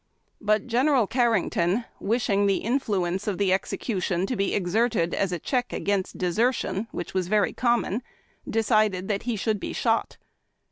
But General Carrington, wishing the influence of the ex ecution to be exerted as a check against desertion, which was very common, decided that he should be shot.